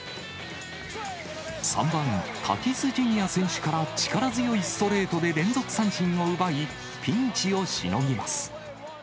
３番タティス・ジュニア選手から力強いストレートで連続三振を奪い、ピンチをしのぎます。